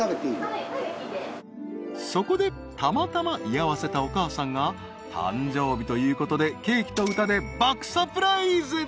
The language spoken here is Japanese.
［そこでたまたま居合わせたお母さんが誕生日ということでケーキと歌で爆サプライズ］